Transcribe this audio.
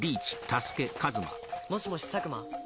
もしもし佐久間？